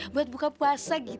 beberapa hari kelar tadi